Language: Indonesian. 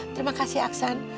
terima kasih aksan